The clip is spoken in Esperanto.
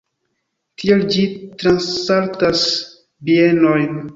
Tiel ĝi transsaltas bienojn.